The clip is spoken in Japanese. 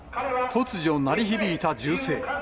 突如鳴り響いた銃声。